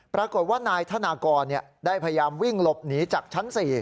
ปรากฏว่านายธนากรได้พยายามวิ่งหลบหนีจากชั้น๔